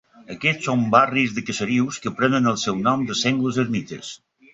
Aquests són barris de caserius que prenen el seu nom de sengles ermites.